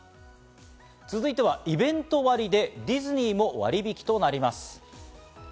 続いては、イベント割でディズニーも割引きとなります。